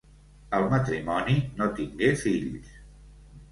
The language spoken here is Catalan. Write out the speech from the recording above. El matrimoni no tingué fills.